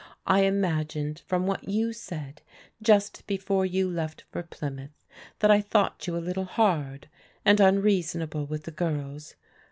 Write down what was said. I imagined from what you said just before you left for Pl)miouth that I thought you a little hard and unreasonable with the girls.